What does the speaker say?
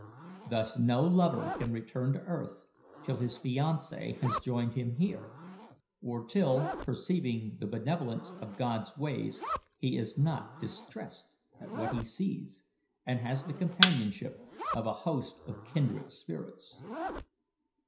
Thus no lover can return to earth till his fiancee has joined him here, or till, perceiving the benevolence of God's ways, he is not distressed at what he sees, and has the companionship of a host of kindred spirits.